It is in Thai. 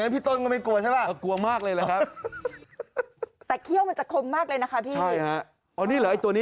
เป็นยังไง